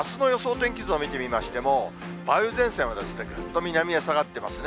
天気図を見てみましても、梅雨前線はぐっと南へ下がってますね。